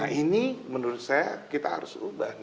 nah ini menurut saya kita harus ubah